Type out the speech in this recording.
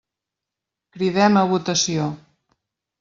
Cridem a votació.